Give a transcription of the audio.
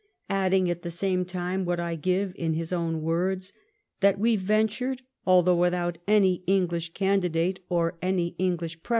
adding, at the same time, what I give in his own words :" that we ventured, although without any English candidate or English pre THE SPANISH MABBIAOES.